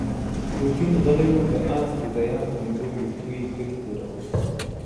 ګرګين غلی و، ده د آس د يال په مړو وېښتو کې ګوتې تېرولې.